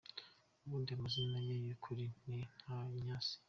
Ubundi amazina ye y’ukuri ni Nkaka Ignace.